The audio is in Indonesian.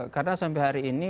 karena sampai hari ini